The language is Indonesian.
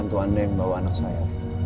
siapa yang bisa membantu vivikan saya